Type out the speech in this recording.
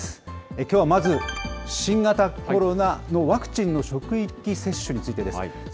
きょうはまず、新型コロナのワクチンの職域接種についてです。